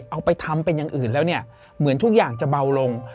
เอาไปทำเป็นอย่างอื่นแล้วเนี่ยเหมือนทุกอย่างจะเบาลง